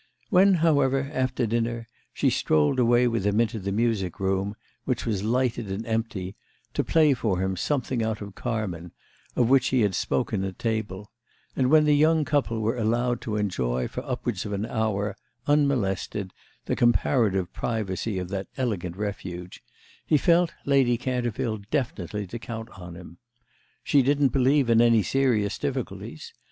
When, however, after dinner, she strolled away with him into the music room, which was lighted and empty, to play for him something out of "Carmen," of which he had spoken at table, and when the young couple were allowed to enjoy for upwards of an hour, unmolested, the comparative privacy of that elegant refuge, he felt Lady Canterville definitely to count on him. She didn't believe in any serious difficulties.